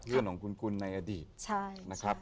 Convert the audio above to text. เพื่อนของคุณกุนในอดีต